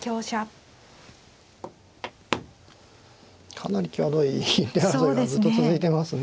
かなり際どい一手争いがずっと続いてますね。